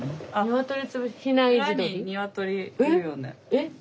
えっ？